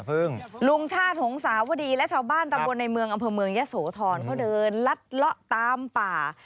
ลุงชาติหงสาวดีและชาวบ้านตำบลในเมืองอำเภอเมืองยะโสธรเขาเดินลัดเลาะตามป่า